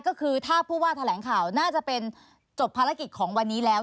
ก็คือถ้าผู้ว่าแถลงข่าวน่าจะเป็นจบภารกิจของวันนี้แล้ว